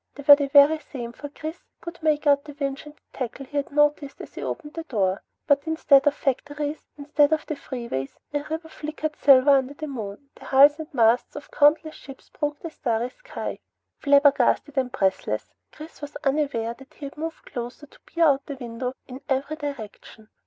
They were the very same, for Chris could make out the winch and tackle he had noticed as he opened the door. But instead of factories, instead of the freeway, the river flickered silver under the moon, and the hulls and masts of countless ships broke the starry sky. Flabbergasted and breathless, Chris was unaware that he had moved closer to peer out the window in every direction.